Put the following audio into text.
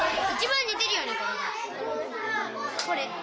これ。